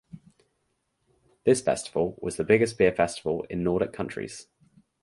This festival was the biggest beer festival in Nordic countries.